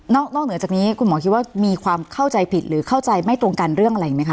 นอกเหนือจากนี้คุณหมอคิดว่ามีความเข้าใจผิดหรือเข้าใจไม่ตรงกันเรื่องอะไรอีกไหมคะ